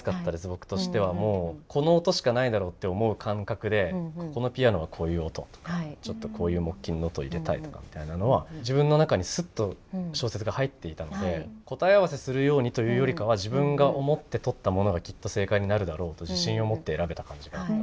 僕としてはもうこの音しかないだろうって思う感覚でここのピアノはこういう音とかちょっとこういう木琴の音入れたいとかみたいなのは自分の中にすっと小説が入っていたので答え合わせするようにというよりかは自分が思ってとったものがきっと正解になるだろうと自信を持って選べた感じがあったので。